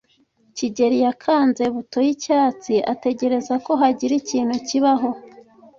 kigeli yakanze buto yicyatsi ategereza ko hagira ikintu kibaho.